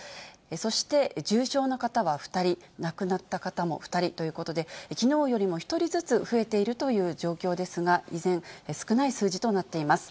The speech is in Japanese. そして重症の方は２人、亡くなった方も２人ということで、きのうよりも１人ずつ増えているという状況ですが、依然、少ない数字となっています。